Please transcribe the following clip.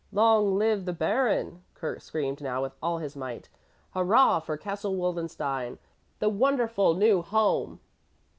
"Long live the Baron!" Kurt screamed now with all his might. "Hurrah for Castle Wildenstein, the wonderful new home!